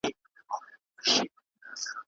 د روغتیا په برخه کي مرستندویه ټولني څه کوي؟